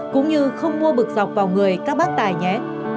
cũng như không mua bực dọc vào người các bác tài nhé